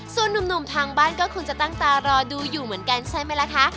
ส่วนนุ่มทางบ้านก็คงจะตั้งตารอดูอยู่เหมือนกันใช่ไหมล่ะคะ